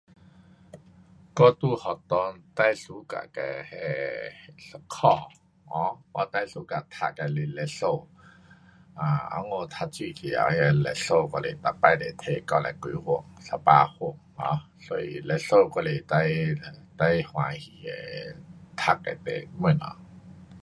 我在学校最 suka 的那，一颗 um 我最 suka 读的是历史。温故读书时候那历史我是每次都拿九十多分，一百分。um 所以历史我是最，最欢喜的，读的 um 东西。